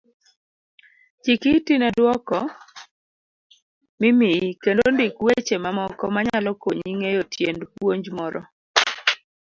Chikiti nedwoko mimiyi kendo ndik weche mamoko manyalo konyi ng'eyo tiend puonj moro.